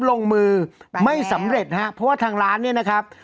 ลงมือไม่สำเร็จฮะเพราะว่าทางร้านเนี่ยนะครับ